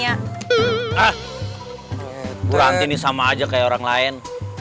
ah bu ranti ini sama aja kayak orang lain